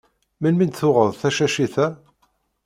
Melmi i d-tuɣeḍ tacacit-a?